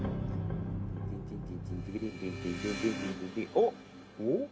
「おっ」